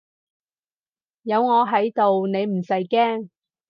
有我喺度你唔使驚